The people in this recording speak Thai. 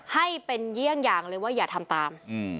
ให้เป็นเยี่ยงอย่างเลยว่าอย่าทำตาม